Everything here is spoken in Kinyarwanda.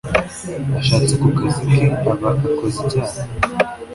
ashatse mu kazi ke aba akoze icyaha